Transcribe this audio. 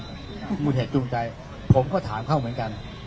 ๓คนแล้วนะครับที่ถามมุ่นเหตุจูงใจผมก็ถามเขาเหมือนกัน